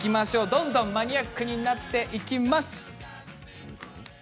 どんどんマニアックになっていきます。